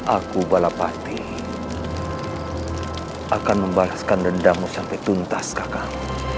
aku balapati akan membalaskan dendamu sampai tuntas kakak